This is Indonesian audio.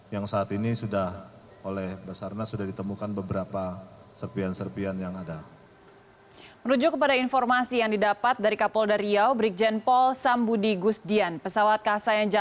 yang saat ini sudah oleh basarnas sudah ditemukan beberapa serpian serpian yang ada